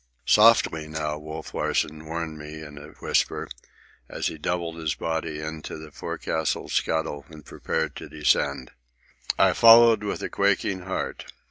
"Softly, now," Wolf Larsen warned me in a whisper, as he doubled his body into the forecastle scuttle and prepared to descend. I followed with a quaking heart.